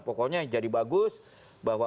pokoknya jadi bagus bahwa